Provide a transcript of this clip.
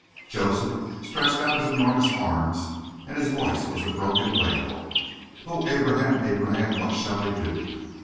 Joseph stretched out his enormous arms and his voice was a broken wail. "Oh, Abraham, Abraham, what shall I do?"